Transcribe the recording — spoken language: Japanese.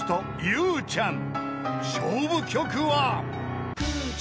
［勝負曲は］